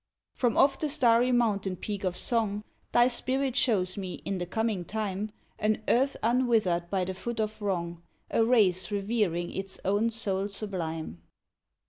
From off the starry mountain peak of song, Thy spirit shows me, in the coming time, An earth unwithered by the foot of wrong, A race revering its own soul sublime.